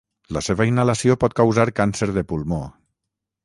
La seva inhalació pot causar càncer de pulmó.